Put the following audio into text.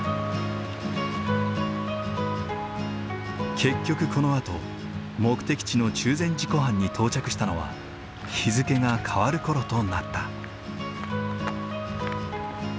結局このあと目的地の中禅寺湖畔に到着したのは日付が変わる頃となった。